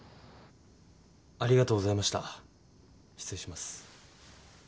ありがとうございました失礼します。